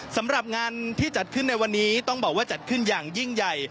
สำหรับงานที่จัดขึ้นในวันนี้ต้องบอกว่าจัดขึ้นอย่างยิ่งใหญ่